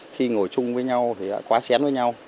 khi ngồi chung với nhau thì đã quá xén với nhau